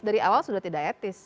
dari awal sudah tidak etis